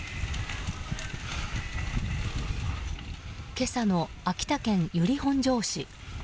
今朝の秋田県由利本荘市。